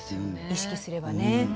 意識すればね。